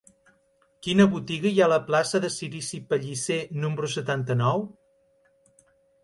Quina botiga hi ha a la plaça de Cirici Pellicer número setanta-nou?